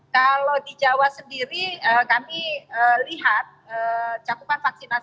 kalau di jawa sendiri kami lihat cakupan vaksinasi